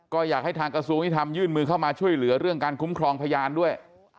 ก็อยากให้ทางกระทรวงยุทธรรมยื่นมือเข้ามาช่วยเหลือเรื่องการคุ้มครองพยานด้วย